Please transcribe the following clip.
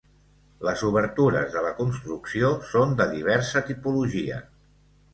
Les obertures de la construcció són de diversa tipologia.